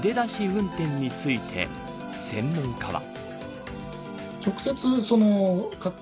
運転について専門家は。